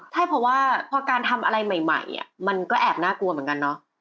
ใช่เพราะว่าพอการทำอะไรใหม่มันก็แอบน่ากลัวเหมือนกันเนาะ